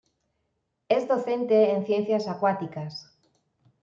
Es docente en ciencias acuáticas.